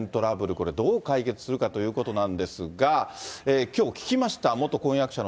これ、どう解決するかということなんですが、きょう、聞きました、